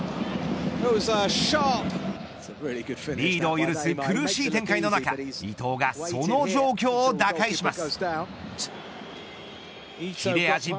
リードを許す苦しい展開の中伊東がその状況を打開します。